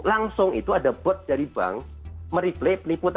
langsung itu ada bot dari bank mereplay penipu tadi